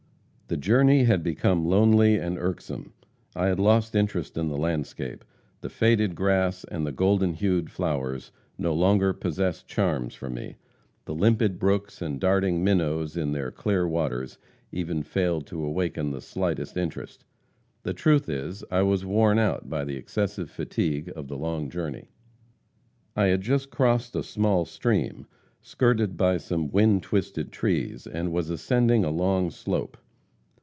The journey had become lonely and irksome. I had lost interest in the landscape. The faded grass and the golden hued flowers no longer possessed charms for me. The limpid brooks and darting minnows in their clear waters even failed to awaken the slightest interest. The truth is, I was worn out by the excessive fatigue of the long journey. "I had just crossed a small stream, skirted by some wind twisted trees, and was ascending a long slope.